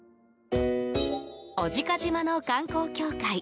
小値賀島の観光協会